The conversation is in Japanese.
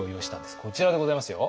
こちらでございますよ。